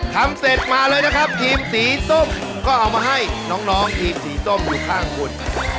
ทำเสร็จมาเลยนะครับทีมสีส้มก็เอามาให้น้องทีมสีส้มอยู่ข้างคุณ